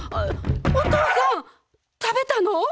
おとうさん食べたの？